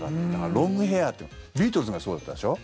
ロングヘアーっていうのはビートルズがそうだったでしょ。